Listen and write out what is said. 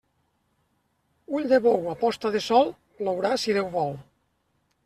Ull de bou a posta de sol, plourà si Déu vol.